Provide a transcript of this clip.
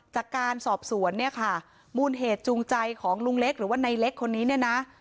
จากการสอบสวนเนี่ยค่ะมูลเหตุจูงใจของลุงเล็กหรือว่าในเล็กคนนี้เนี่ยนะ